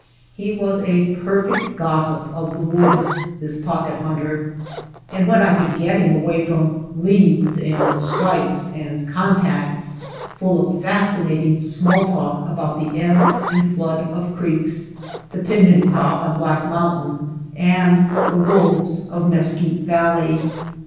He was a perfect gossip of the woods, this Pocket Hunter, and when I could get him away from " leads " and " strikes " and " contacts," full of fascinating small talk about the ebb and flood of creeks, the THE POCKET HUNTER pinon crop on Black Mountain, and the wolves of Mesquite Valley.